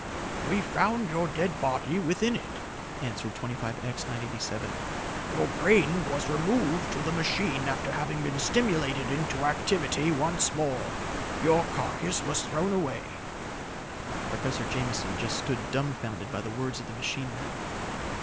"We found your dead body within it," answered 25X 987. "Your brain was removed to the machine after having been stimulated into activity once more. Your carcass was thrown away." Professor Jameson just stood dumfounded by the words of the machine man.